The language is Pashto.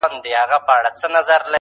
په یو ترڅ کي یې ترې وکړله پوښتنه،